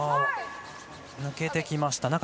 抜けてきました。